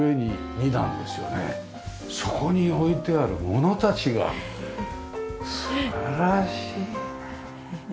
そこに置いてあるものたちが素晴らしいねえ。